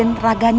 aku siap ngebantu